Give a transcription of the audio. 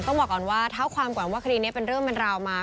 บอกก่อนว่าเท้าความก่อนว่าคดีนี้เป็นเรื่องเป็นราวมา